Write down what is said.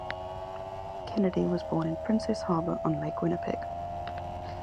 Kennedy was born in Princess Harbour on Lake Winnipeg.